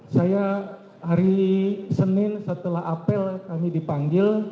saya hari senin setelah apel kami dipanggil